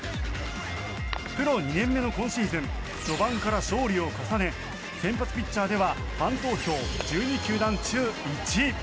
プロ２年目の今シーズン序盤から勝利を重ね先発ピッチャーではファン投票１２球団中１位。